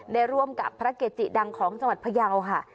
ได้ร่วมกับพระเกจิดังของจังหวัดพยาวค่ะ